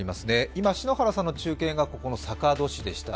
今、篠原さんの中継がこの坂戸市でした。